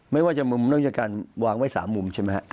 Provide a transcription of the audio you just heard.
ไม่ว่าจะมุมนึงจากการวางไว้๓มุม